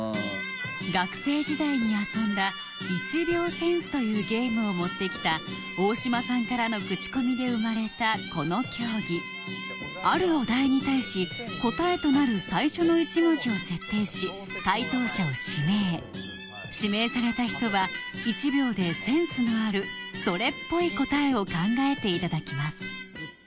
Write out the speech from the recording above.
学生時代に遊んだ「１秒センス」というゲームを持ってきた大島さんからのクチコミで生まれたこの競技あるお題に対し答えとなる最初の１文字を設定し回答者を指名指名された人は１秒でセンスのあるそれっぽい答えを考えていただきます